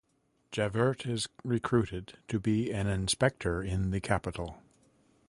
Javert is recruited to be an inspector in the capital.